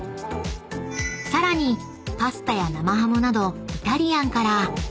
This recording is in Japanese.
［さらにパスタや生ハムなどイタリアンから］